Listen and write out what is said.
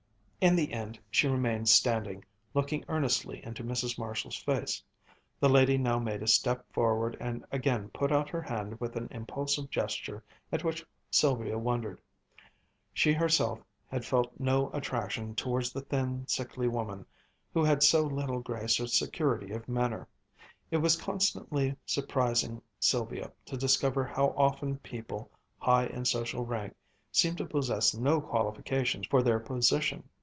In the end she remained standing, looking earnestly into Mrs. Marshall's face. That lady now made a step forward and again put out her hand with an impulsive gesture at which Sylvia wondered. She herself had felt no attraction towards the thin, sickly woman who had so little grace or security of manner. It was constantly surprising Sylvia to discover how often people high in social rank seemed to possess no qualifications for their position.